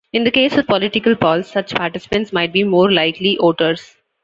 In the case of political polls, such participants might be more likely voters.